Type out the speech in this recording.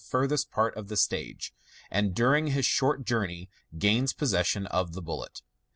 411 furthest part of the stage, and during his short journey gains posses* aion of the bullet.